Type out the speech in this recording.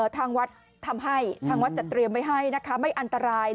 ทางวัดทำให้ทางวัดจะเตรียมไว้ให้นะคะไม่อันตราย